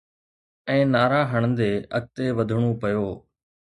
۽ نعرا هڻندي اڳتي وڌڻو پيو.